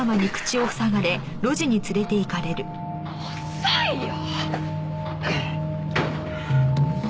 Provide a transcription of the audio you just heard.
遅いよ！